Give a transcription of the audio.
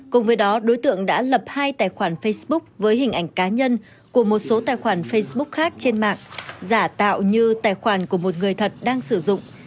cùng với đó đối tượng đã lập hai tài khoản facebook với hình ảnh cá nhân của một số tài khoản facebook khác trên mạng giả tạo như tài khoản của một người thật đang sử dụng